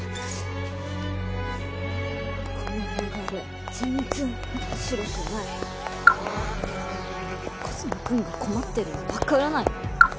「この流れ全然面白くない」「コスモくんが困ってるの分からないの？」